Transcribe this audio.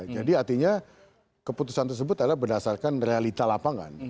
jadi artinya keputusan tersebut adalah berdasarkan realita lapangan